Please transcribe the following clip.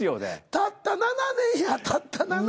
たった７年やたった７年。